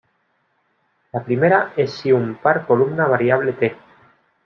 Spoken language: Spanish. La primera es si un par columna-variable"t".